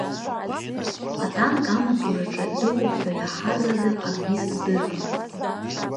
Атанк амаҵ аураҿы дыҟоуп ҳәа иҳаҳаз ада акгьы сыздырам.